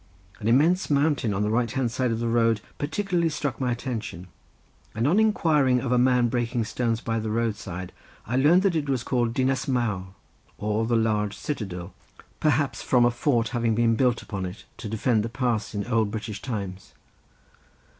An immense mountain on the right side of the road particularly struck my attention, and on inquiring of a man breaking stones by the roadside I learned that it was called Dinas Mawr or the large citadel, perhaps from a fort having been built upon it to defend the pass in the old British times.